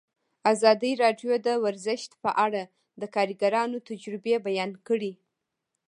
ازادي راډیو د ورزش په اړه د کارګرانو تجربې بیان کړي.